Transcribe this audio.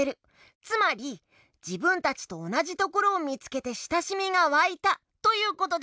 つまりじぶんたちとおなじところをみつけてしたしみがわいたということです。